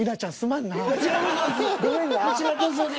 こちらこそです。